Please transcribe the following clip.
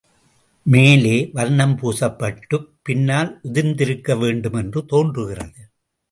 மேலே வர்ணம் பூசப்பட்டுப் பின்னால் உதிர்ந்திருக்க வேண்டும் என்று தோன்றுகிறது.